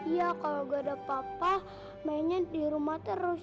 iya kalo gak ada papa mainnya di rumah terus